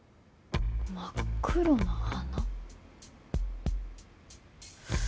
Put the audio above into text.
真っ黒な花？